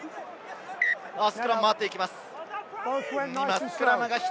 スクラム、回っていきます。